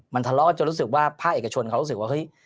มันทะเลาะจนรู้สึกว่าภาคเอกชนเขารู้สึกว่าเฮ้ย